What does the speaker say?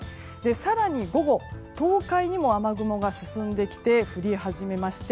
更に午後、東海にも雨雲が進んできて降り初めまして